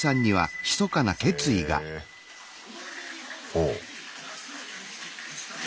ほう。